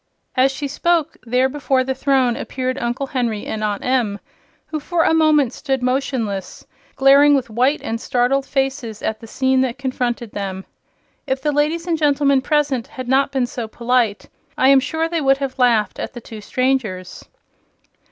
As she spoke, there before the throne appeared Uncle Henry and Aunt Em, who for a moment stood motionless, glaring with white and startled faces at the scene that confronted them. If the ladies and gentlemen present had not been so polite I am sure they would have laughed at the two strangers.